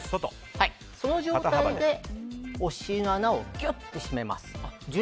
その状態で、お尻の穴をきゅっと締めます。